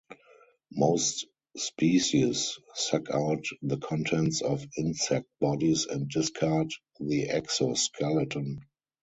Most species suck out the contents of insect bodies and discard the exoskeleton.